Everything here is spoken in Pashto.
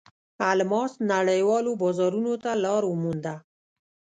الماس نړیوالو بازارونو ته لار ومونده.